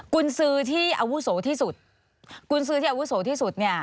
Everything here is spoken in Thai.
กุญซืที่อาวุโสที่สุด